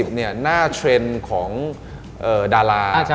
หน้าเทรนด์ของดารา